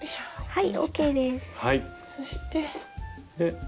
はい。